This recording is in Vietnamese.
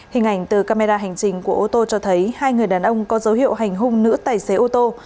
hình ảnh từ camera hành trình của ô tô cho thấy hai người đàn ông có dấu hiệu hành hung nữ tài xế ô tô